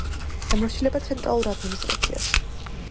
ემორჩილება ცენტრალურ ადმინისტრაციას.